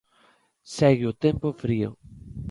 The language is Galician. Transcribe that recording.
Segue o tempo frío.